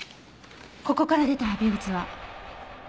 ここから出た微物は？